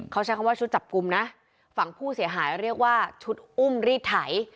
เขาใช้คำว่าชุดจับกลุ่มนะฝั่งผู้เสียหายเรียกว่าชุดอุ้มรีดไถ